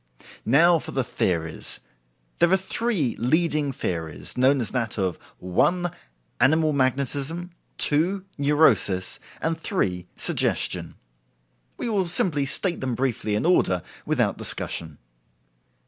Now for the theories. There are three leading theories, known as that of 1. Animal Magnetism; 2. Neurosis; and 3. Suggestion. We will simply state them briefly in order without discussion.